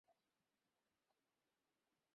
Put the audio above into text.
একই গন্ধ আমি এডওয়ার্ডস দের ওখানে পেয়েছি।